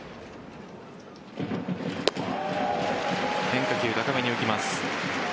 変化球、高めに浮きます。